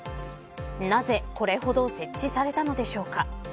なぜ、これほど設置されたのでしょうか。